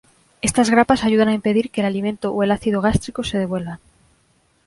Estas grapas ayudan a impedir que el alimento o el ácido gástrico se devuelvan.